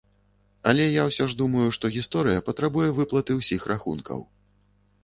Але я ўсё ж думаю, што гісторыя патрабуе выплаты ўсіх рахункаў.